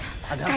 ada apa sen